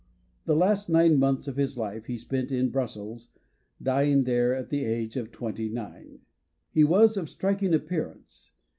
The last nine months of his life he spent in Brussels, dying there at the age of twenty nine. He was of striking appearance.